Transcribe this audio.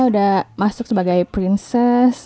udah masuk sebagai prinses